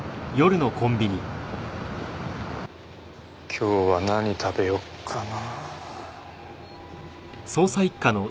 今日は何食べよっかな。